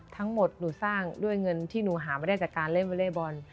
ทั้งหมดหนูสร้างด้วยเงินที่หนูหามาได้จากการเล่นวอเล่บอล